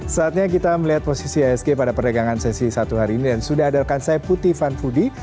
saatnya kita melihat posisi isg pada perdagangan sesi satu hari ini dan sudah ada rekan saya putih vanfudi